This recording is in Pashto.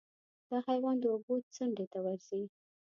دا حیوان د اوبو څنډې ته ورځي.